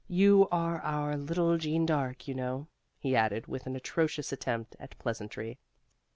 You are our little Jeanne Dark, you know," he added, with an atrocious attempt at pleasantry.